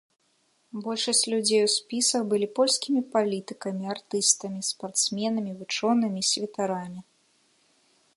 Большасць людзей у спісах былі польскімі палітыкамі, артыстамі, спартсменамі, вучонымі і святарамі.